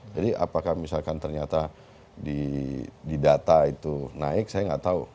jadi apakah misalkan ternyata di data itu naik saya gak tahu